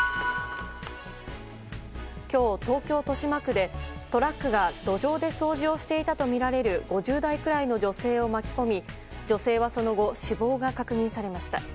今日、東京・豊島区でトラックが路上で掃除をしていたとみられる５０代くらいの女性を巻き込み女性はその後死亡が確認されました。